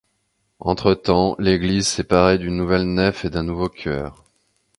Entre-temps, l'église s'est parée d'une nouvelle nef et d'un nouveau chœur.